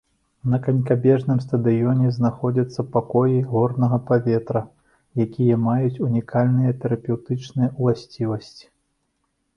На канькабежным стадыёне знаходзяцца пакоі горнага паветра, якія маюць унікальныя тэрапеўтычныя уласцівасці.